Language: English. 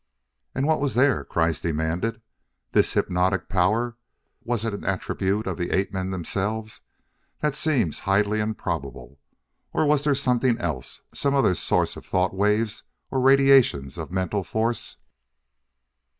"And what was there?" Kreiss demanded. "This hypnotic power was it an attribute of the ape men themselves? That seems highly improbable. Or was there something else some other source of the thought waves or radiations of mental force?"